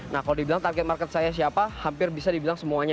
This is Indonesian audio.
nah kalau dibilang target market saya siapa hampir bisa dibilang semuanya